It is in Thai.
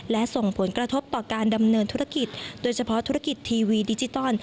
และส่งผลกระทบต่อการดำเนินธุรกิจโดยเฉพาะธุรกิจทีวีดิจิตอล